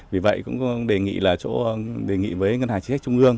vì vậy cũng đề nghị với ngân hàng chính sách trung ương